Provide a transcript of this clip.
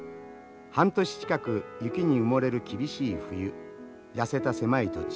半年近く雪に埋もれる厳しい冬痩せた狭い土地。